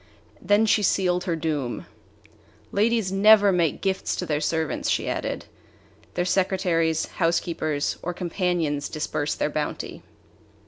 Then she sealed her doom. "Ladies never make gifts to their servants," she added. "Their secretaries, housekeepers, or companions disburse their bounty."